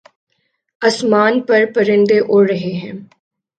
آسمان پر پرندے اڑ رہے ہیں